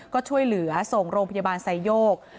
ก็ช่วยเหลือส่งโรงพยาบาลไซโยก